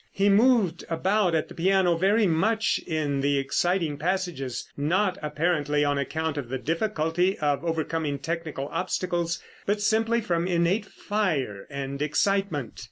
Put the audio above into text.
He moved about at the piano very much in the exciting passages, not, apparently, on account of the difficulty of overcoming technical obstacles, but simply from innate fire and excitement.